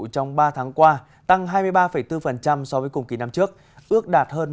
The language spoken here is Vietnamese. trong ba tháng qua tăng hai mươi ba bốn so với cùng kỳ năm trước ước đạt hơn một tám mươi tám